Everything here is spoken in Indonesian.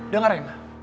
dengar ya ma